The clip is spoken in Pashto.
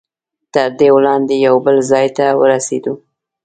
تر دې وړاندې یو بل ځای ته ورسېدو.